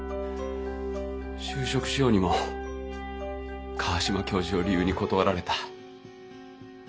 就職しようにも川島教授を理由に断られた。